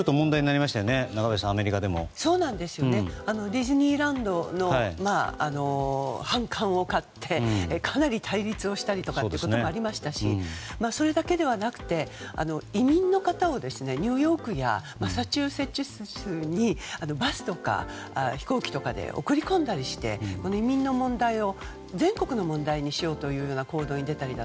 ディズニーランドの反感を買ってかなり対立をしたりということもありましたしそれだけではなく移民の方をニューヨークやマサチューセッツ州にバスとか飛行機とかで送り込んだりして移民問題を全国の問題にしようとした行動に出た。